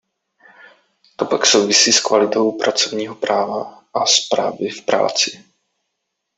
To pak souvisí s kvalitou pracovního práva a s právy v práci.